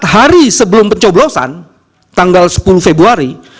hari sebelum pencoblosan tanggal sepuluh februari